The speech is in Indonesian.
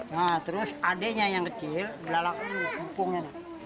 nah terus adenya yang kecil belalakung kupungnya